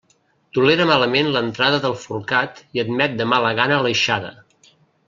Tolera malament l'entrada del forcat i admet de mala gana l'aixada.